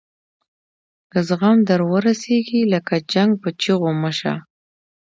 که زخم در ورسیږي لکه چنګ په چیغو مه شه.